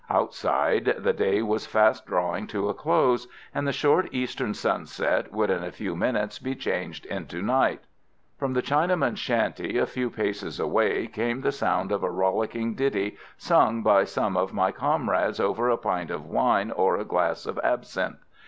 Outside, the day was fast drawing to a close, and the short eastern sunset would in a few minutes be changed into night. From the Chinaman's shanty a few paces away came the sound of a rollicking ditty sung by some of my comrades over a pint of wine or a glass of absinthe.